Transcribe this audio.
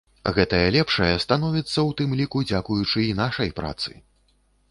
Гэтае лепшае становіцца ў тым ліку дзякуючы і нашай працы.